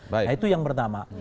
nah itu yang pertama